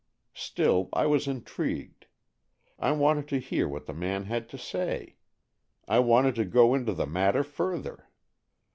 Still, I was intrigued. I wanted to hear what the man had to say. I wanted to go into the matter further.